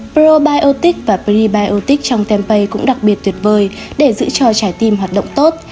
probiotic và prebiotic trong tempeh cũng đặc biệt tuyệt vời để giữ cho trái tim hoạt động tốt